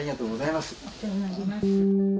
お世話になります。